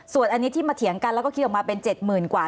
ส่วนอันนี้ที่มาเถียงกันแล้วก็คิดออกมาเป็น๗๐๐๐กว่า